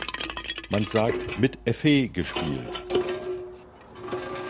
Man sagt „mit Effet gespielt“.